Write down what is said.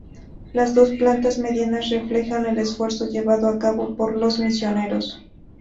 Las dos plantas medianas reflejan el esfuerzo llevado a cabo por los misioneros.